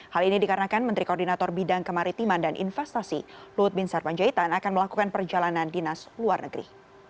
hal ini dikarenakan menteri koordinator bidang kemaritiman dan investasi luhut bin sarpanjaitan akan melakukan perjalanan dinas luar negeri